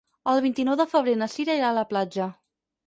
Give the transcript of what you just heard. El vint-i-nou de febrer na Cira irà a la platja.